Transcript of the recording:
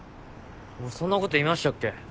俺そんなこと言いましたっけ？